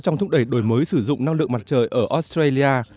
trong thúc đẩy đổi mới sử dụng năng lượng mặt trời ở australia